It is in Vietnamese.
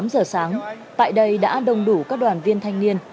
tám giờ sáng tại đây đã đông đủ các đoàn viên thanh niên